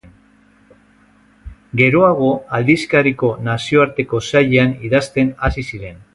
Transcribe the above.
Geroago aldizkariko nazioarteko sailean idazten hasi ziren.